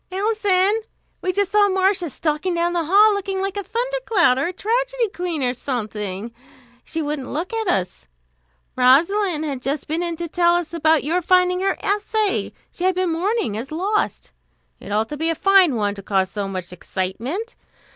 "Alison! We just saw Marcia stalking down the hall, looking like a thundercloud, or a tragedy queen, or something! She wouldn't look at us. Rosalind had just been in to tell us about your finding her essay, she had been mourning as lost. It ought to be a fine one, to cause so much excitement.